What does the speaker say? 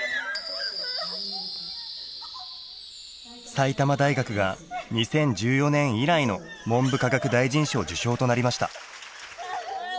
埼玉大学が２０１４年以来の文部科学大臣賞受賞となりました。